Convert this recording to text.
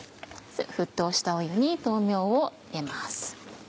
沸騰した湯に豆苗を入れます。